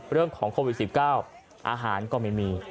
เรื่องของโควิด๑๙อาหารก็ไม่มี